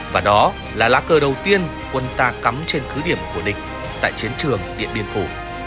và đó là lá cờ đầu tiên quân ta cắm trên cứ điểm của địch tại chiến trường điện biên phủ